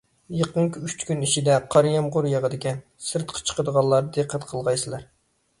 يېقىنقى ئۈچ كۈن ئىچىدە قارا يامغۇر ياغىدىكەن، سىرتقا چىقىدىغانلار دىققەت قىلغايسىلەر.